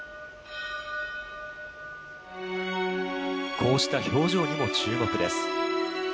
こうした表情にも注目です。